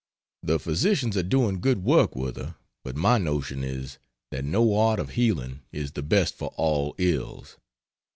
The physicians are doing good work with her, but my notion is, that no art of healing is the best for all ills.